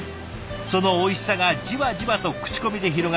そのおいしさがじわじわと口コミで広がり